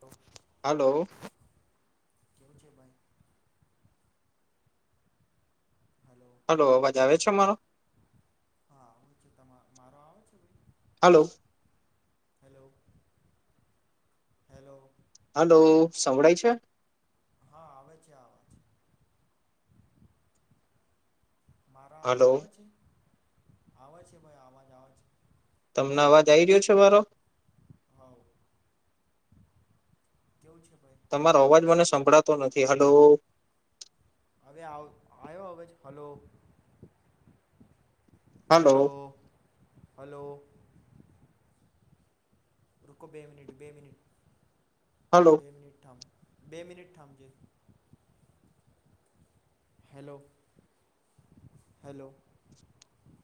તો હાલો. કેવું છે ભાઈ? હલો, અવાજ આવે છે મારો? હાલો. હેલો. હલો સંવડાઈ છે? હા આવે છે આવાજ. મારો અવાજ આવે છે? આવે છે ભાઈ અવાજ આવે છે. તમને અવાજ આવી રહ્યો છે મારો? કેવું છે? તમારો અવાજ મને સંભળાતો નથી હલો. હવે આવ આવ્યો હવે, હલો? Hello, hello. રૂકો બે મિનિટ બે મિનિટ, બે મિનિટ થામ. બે મિનિટ થામજે. Hello, hello.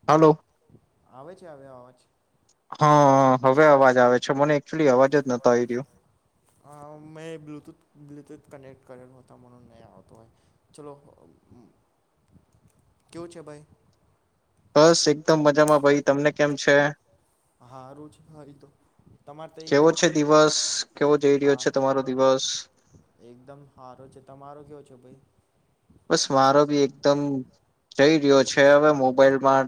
હલો. આવે છે અવે અવાજ? હા હવે અવાજ આવે છે મને એક હા મેં બ્લુટુથ બ્લુટુથ કનેક્ટ કરેલ હોતા ન આવતો હો ચલો કેવું છે ભાઈ બસ એકદમ મજામાં ભાઈ તમને કેમ છે. હા રું છે હા એ તો કેવો છે દિવસ કેવો જઈ રહ્યો છે તમારો દિવસ એકદમ હારો છે તમારો કેયો છો ભાઈ બસ મારો બી એકદમ જઈ રહ્યો છે હવે મોબાઈલમાં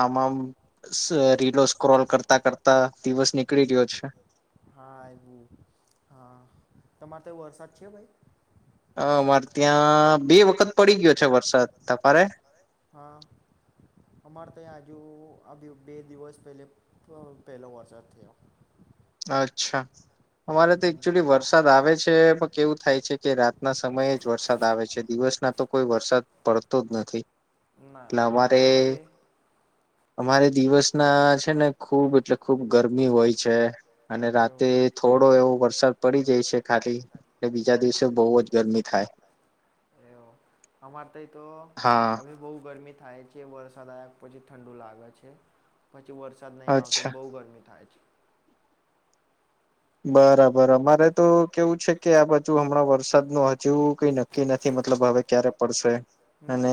આમાં અ રીલો સ્ક્રોલ કરતા કરતા દિવસની નીકળી રહ્યો છે. હા એવું હા તમારે તો વરસાદ છે ભાઈ. હ મારે ત્યાં બે વખત પડી ગયો છે વરસાદ તમારે. અમાર તે હજુ આ બ બે દિવસ પહેલે પહેલો વરસાદ થયો. અચ્છા અમારે તો એકક્ચુલી વરસાદ આવે છે પણ કેવું થાય છે કે રાત ત ના સમયે જ વરસાદ આવે છે દિવસ ના તો કોઈ વરસાદ પડતો જ નથી એટલે અમારે અમારે દિવસ ના છે ને ખુબ એટલે ખુબ ગરમી હોય છે. - અને રાતે થોડો એવો વરસાદ પડી જાય છે ખાલી બીજા દિવસે બહુ જ ગરમી થાય હ [unintelligible] એવ અમારે ત તો હવે બહુ ગરમી થાય છે વરસાદ આયા પછી ઠંડુ લાગે છે. પછી વરસાદ નહીં આવતો તો બહુ ગરમી થાય છે બરા બ અમારે તો કેવું છે કે આ બાજુ હમણાં વરસાદ ન હજુ કઈ નક્કી નથી મતલબ હવે ક્યારે પડશે અને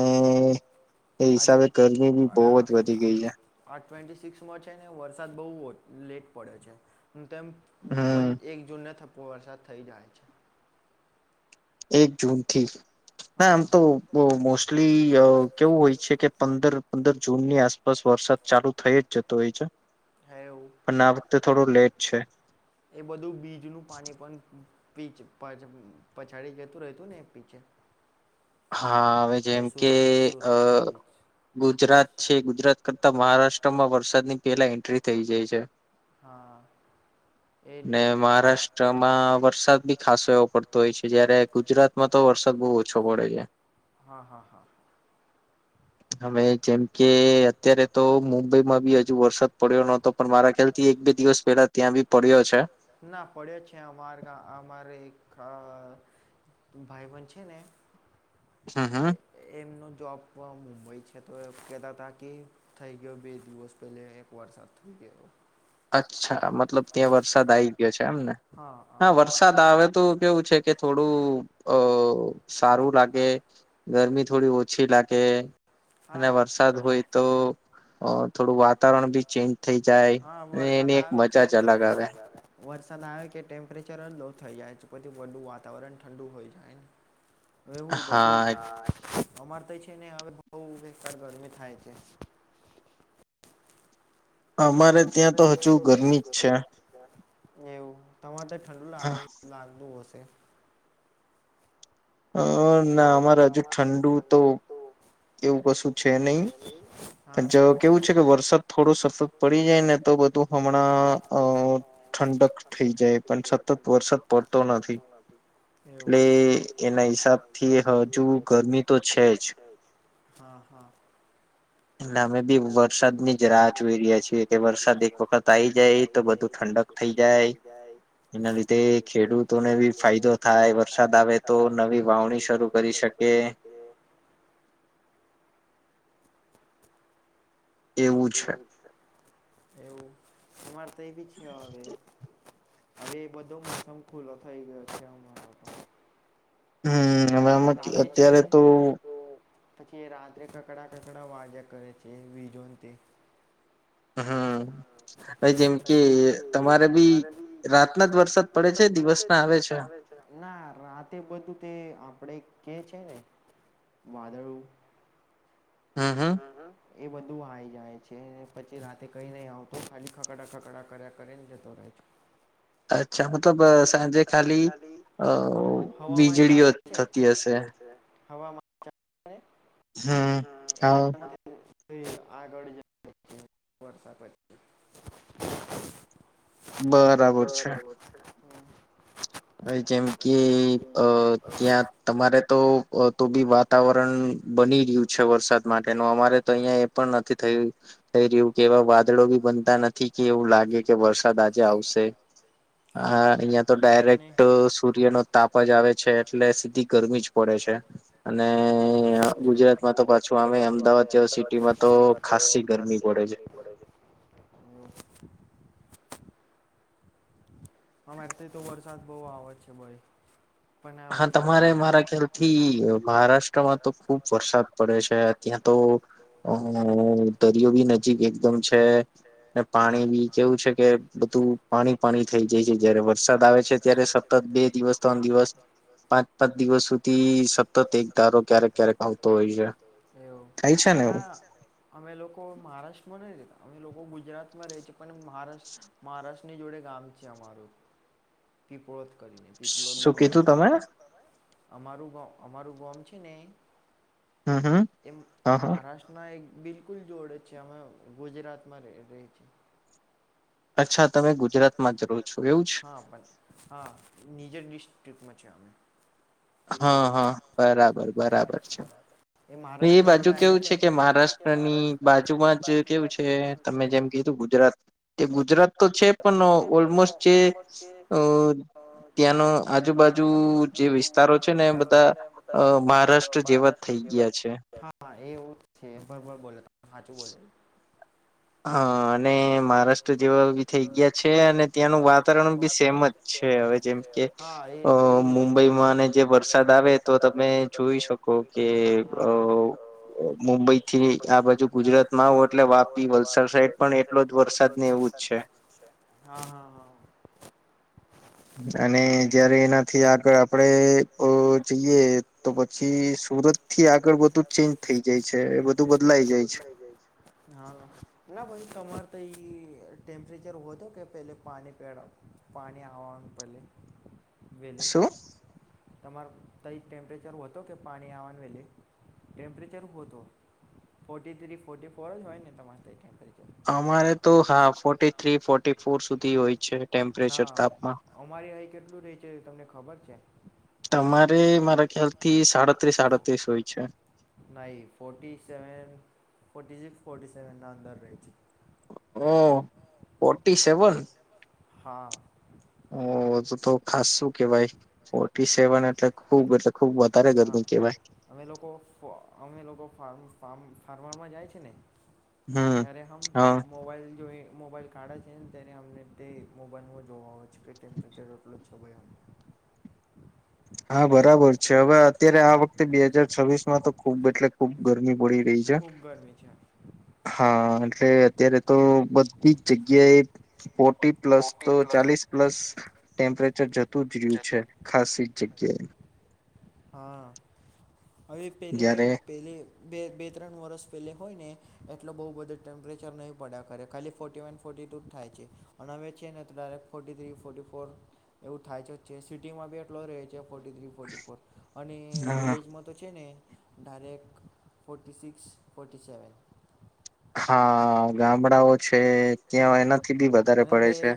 એ હિસાબે ગરમી બી બહુ જ વધી ગઈ છે. ટવેીટ સિક્સમાં છે ને વરસાદ બહુ લેટ પડ્યો છે તેમ વ એક જૂનને થપો વરસાદ થઈ જાય છે. એક જૂનથી ના આમ તો મોસ્ટલી કેવું હોય છે કે પંદર પંદર જૂનની આસપાસ વરસાદ ચાલુ થઈ જ જતો હોય છે પણ આ વખતે થોડું લેટ છે એ બધું બીજનું પાણી પણ પીચ પછાડી જતું રહેતું ને એક પીછે- હા હવે જેમ કે અ ગુજરાત છે ગુજરાત મહારાષ્ટ્રમાં વરસાદની પહેલા એન્ટ્રી થઈ જાય છે. મહારાષ્ટ્રમાં વરસાદ બી ખાસો એવો પડતો હોય છે જયારે ગુજરાતમાં તો વરસાદ બહુ ઓછો પડે છે. હા હા હા હમે જેમ કે અત્યારે તો મુંબઈમાં બી હજુ વરસાદ પડ્યો નતો પણ મારા ખ્યાલ થી એક બે દિવસ પેલા ત્યાં બી પડ્યો છે. ના પડ્યો છે અમારે અમારે એક ભાઈ બન છે ને એમનો જોબ મુંબઈ છે કે તો એ કહેતા હતા કે થઈ ગયો બે દિવસ પહેલે એક વરસાદ થઈ ગયો અચ્છા મતલબ ત્યાં વરસાદ આવી ગયો છે એમને- હા વરસાદ આવે તો કેવું છે કે થોડું અ સારું લાગે ગરમી થોડી ઓછી લાગે કે અને વરસાદ હોય તો થોડું વાતાવરણ બી ચેન્જ થઈ જાય વરસાદ આવે કે? વરસાદ આવે કે ટેમ્પરેચર લો થઈ જાય બધું વધું વાતાવરણ ઠંડુ હોય જાય ને. એવું બધું આ અમાર તો છે ને હવે બહ વસર ગરમી થાય છે. અમારે તો એક [inaudible] [unintelligible] લાગુ લાગું. અ ના અમારે હજુ ઠંડુ તો એવું કશું છે નહી પણ જો કેવું છે કે વરસાદ થોડો સફત પડી જાય ને તો બધ તો હમણાં અ ઠંડક થઈ જાય પણ સતત વરસાદ પડતો નથી. એટલે એના હિસાબથી હવે હુ ગરમી તો છે જ. લાગ અમે બી વરસાદની જ રાહ જોઈ રહ્યા છીએ કે વરસાદ એક વખત આઈ જાય તો બધું ઠંડક થઈ જાય એના લીધે ખેડૂતોને બી ફાયદો થાય, વરસાદ આવે સા આવે તો નવી વાવણી શરૂ કરી શકે. એવું છે. એવું અમારે તો એ ભી છે હવે. હવે એ બધો મોસમ ખુલ્લો થઈ ગયો છે અમારો. હમ્મ હમણાં આમ અત્યારે તો પછી એ રાત્રે કકડા કકડા વાગ્યા કરે છે વિજો તે. હા, હવે જેમ કે તમારે બી રાતના જ વરસાદ પડે છે પડે છે, દિવસના આવે છે, ના રાતે બધું તે આપડે કે છે ને, વાદળુ. હા, હમ્મ. એ બધું આઈ જાય છે, પછી રાતે કઈ નહીં આવતુ ખાલી ખખડા ખકડા કર્યા કરીને જતો રહે. અચ્છા મતલબ સાંજે ખાલી અ વીજળીઓ થતી હશે. હવામાન [inaudible] હમ હા આગળ જ વષ પછી બરાબર છે હમ હ જેમ કે અ ત્યા તમારે તો તો બી વાત તાવરણ બની રહ્યું છે વરસાદ માટે ન અમારે તો અહિયાં એ પણ નથી થ થઈ રહ્યું કે એવા વાદળો બી બનતા નથી એવું લાગે કે વરસાદ આજે આવશે હ અહિયાં તો ડાયરેક્ટ સૂર્ય નો તાપ જ આવે છે એટલે સીધી ગરમી જ પડે છે અનેનેને ગુજરાત તો પાછું તો પામે અમદાવાદ સિટીમા તો ખી ગરમી પડે છે હમ હમાર તો વરસાદ બહુ આવે છે ભાઈ હા તમારે મારા ખ્યાલ થી મહારાષ્ટ્રમા તો ખુબ વરસાદ પડે છે ત્યા તો અ દરિયો બી નજીક એકદમ છે ને પાણી બી કેવું છે કે બધું પાણી પાણી થઈ જાય છે જયારે વરસાદ આવે છે ત્યારે સતત બે દિવસ ત્રણ દિવસ પાંચ પાંચ દિવસ સુધી સતત એક ધારો ક્યારેક ક્યારેક આવતો હોય છે એવુ ભા અમે લોકો મહારાષ્ટ્રમા ન રતા અ લોકો ગુજરાતમા રહે છે પણ મહારાષ્ટ્ર મહારાષ્ટ્ર ની જોડે ગામ છે અમારું પીપોત પીપલોત અર અમારું ગોમ છે ને એ મહારાષ્ટ્રના એક બિલકુલ ડ છે અમે ગુજરાતમાં રેહ છે અચ્છા તમે ગુજરાતમા જ રો છો એ હા પ હા નીજ ડિસ્ટ્રિકમાં છે અમે હા હા બરાબર બરાબર છે એ મહારાષ્ટ્ર ની જોડે આ ગયા છે ને પછી એવું છે કે મહારાષ્ટ્ર ની બાજુમાં જે કેવું છે ગુજરાત એ ગુજરાત તો છે પણ ઓલમોસ્ટ જે અ ત્યાનો આજુબાજુ જે વિસ્તારો છે ને એ બધા અ મા મહારાષ્ટ્ર જેવ હા એવું છે ભભર બોલે હચું બોલે હા અને મા રાષ્ટ્ર જેવા બી થઈ ગયા છે અને ત્યાનુ વાતાવરણ બી સેમ જ છે હવે જેમ કે અ મુંબઈમા અને જે વરસાદ આવે તો તમે જોઈ શકો કે અ મુંબઈ થી આ બાજુ ગુજરાત મા આવો એટલે વાપી વલસાડ સાઈડ પણ એટલો જ વરસાદ વરસાદ [inaudible] હા હ હ અને જયારે એનાથી આગળ આપડે જઈએ તો પછી સુરત સુરત પછી આગળ બધુ ચેન્જ થાય જાય છે એ બધુ બદલાય જાય છે ના ભ તમાર તે [unintelligible] ટેમ્પરેચર હો હતો કે પહેલે પાણી પહે પાણી આવવાનું પહેલે વેલે તમાર ત ટેમ્પરેચર હતો કે પાણી આવવાનું વેલે [unintelligible] ટેમ્પરેચર હો હત ફોર્ટી થ્રી ફોર્ ફોર જ હોય ને તમારે ટેમ્પરેચર અમારે તો હા ફોર્ટી થ્રી ફ ફોર સુધી હોય છે ટેમ્પરેચર તાપમાન. તમારે મારે ના ફોટી સેવન ફ સિક્સ [inaudible] ફોર્ટી સેવનના અંદર રહે છે. ઓહ ફોર્ટી સેવન? હા. ખાસ્સુ શું કેવાય ફોર્ સેવન એટલે ખુબ એલે ખુબ હા અમે લોકો અમે લોકો ફાર્મ ફાર્મરમાં જાય છે ને કરે હમ મોબાઈલ જો એ [inaudible] મોબાઈલ કાઢે છે ને ત્યારે અમને તે મોબાઈલ હ જોવા હોય છે કે ટેમ્પરેચર એટલો જ છે ભાઈ એ હ. હા બરાબર છે હવે અત્યારે આ વખતે બે હાજાર છવ્વીસ માં તો ખૂબ એટલે ખુબ ગરમી પડી. ખુબ ગરમી છે. હા એટલે અત્યારે તો બધી જ જગ્યાએ ફોર્ટી પ્લસ તો ચાલીસ પ્લસ ટેમ્પરેચર જતું જ રહ્યું છે ખાસ એ જગ્યાએ. હા હવે પેલે બે ત્રણ વરષ પેલે હોય ને એટલો બહ બધું ટેમ્પરેચર નહીં પડ્યા કરે ખાલી ફોટી ફોર્ટી ટુ થાય છે અને હવે છે ને ફોર્ટી થ્રી ફોર્ટી ફોર એવું થાય છે જ છે સિટીમાં બી એટલો રહે છે. ફોર્ટી થ્રી ફોર્ટી ફોર અને વિલેજમાં તો છે ને direct forty six forty seven હા ગામડાઓ છે ત્યાં એનાથી બી વધારે પડે છે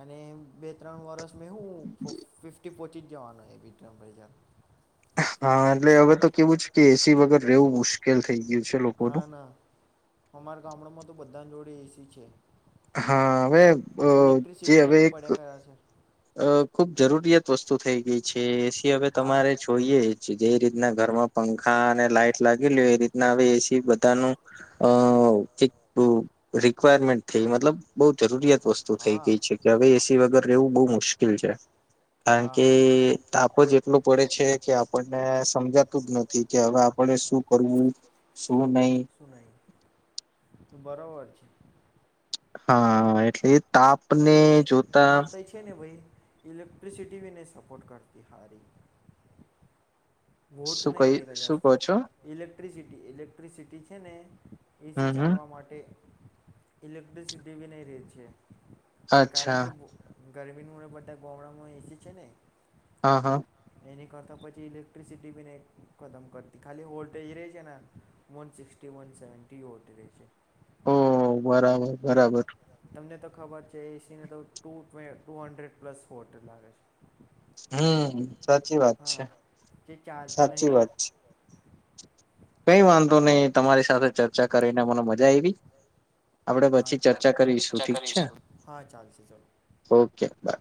અને બે ત્રણ વરષ મે હું ફિફ્ટી પહોંચી જવાનો એ વિક્મ [unintelligible] હા એટલે હવે તો કેવું જ કે એસી વગર રહેવું મુશ્કેલ થઈ ગયું છે લોકોનું તો બધાની જોડે એસી છે હા હવે જે હવે એક અ ખુબ જરૂરિયાત વસ્તુ થઈ ગઈ છે એસી હવે તમારે જોઈએ જ જે રીતના ઘરમાં પંખા અને લાઈટ લાગેલી એ રીતના હવે એસી બધાનું અ રિક્વાયરમેન્ટ થઈ ગઈ મતલબ બહુ જરૂરિયાત વસ્તુ થઈ ગઈ છે કે હવે એસી વગર રહેવું બહુ મુશ્કેલ છે કારણ કે તાપો જ એટલો પડે છે કે આપણને સમજાતું જ નથી કે હવે આપને શું કરવું શું નહી બરોબર છે હા એટલે પછી અમાર ત્યાં છે ને ભાઈ ઇલેક્ટ્રિસિટી પણ નહી સપોર્ટ કરતી હારી શું કઈ શું કહો છો ઇલેક્ટ્રિસિટી ઇલેક્ટ્રિસિટી છે ને એસી ચાલવા માટે ઇલેક્ટ્રિસિટી બી નહી રહે છે એ કારણ કે ગરમીનું બધાં ગોમડા માં એસી છે ને હા હા એની કરતાં પછી ઇલેક્ટ્રિસિટી બીને ખતમ કરતી ખાલી વોલ્ટેજ રહે છે ને વન સિક્સ્ટી વન સેવટી હોતી રહે છે બરાબર બરાબર ખબર છે એસી ને તો two two hundred plus watt લાગે છે [inaudible] હમ સાચી વાત છે સાચી વાત છે કઈ વાંધો નહી તમારી સાથે ચર્ચા કરીને મને મજા આવી હા ચાલ કરીશું હા ચાલશે ચાલ ઓકે બાય